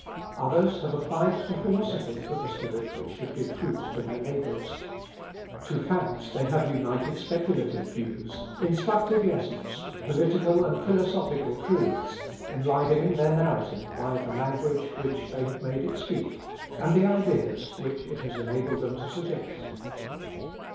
Others have applied to philosophy for the spirit which should give fruit to their labours. To facts they have united speculative views, instructive lessons, political and philosophical truths, enlivening their narrative by the language which they have made it speak, and the ideas which it has enabled them to suggest.